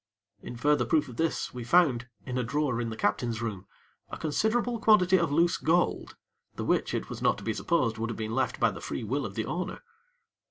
In further proof of this we found, in a drawer in the captain's room, a considerable quantity of loose gold, the which it was not to be supposed would have been left by the free will of the owner.